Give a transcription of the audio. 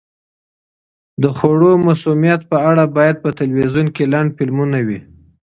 د خوړو مسمومیت په اړه باید په تلویزیون کې لنډ فلمونه وي.